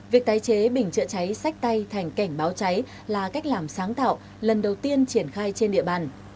việc tái chế bình chữa cháy sách tay thành cảnh báo cháy là cách làm sáng tạo lần đầu tiên triển khai trên địa bàn